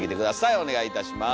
お願いいたします。